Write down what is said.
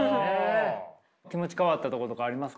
気持ち変わったとことかありますか？